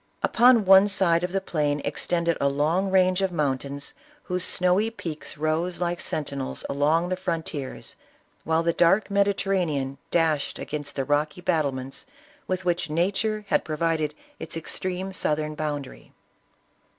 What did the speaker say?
Upon one side of the plain extended a long range of mountains whose snowy peaks rose like sentinels along the frontiers, while the dark Mediterranean dashed against the rocky battlements with which nature had provided its extreme southern boundary.